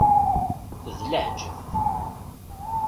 D leɛǧeb!